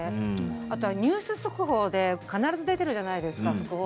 あとはニュース速報で必ず出てるじゃないですか。